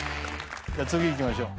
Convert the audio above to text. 次いきましょう。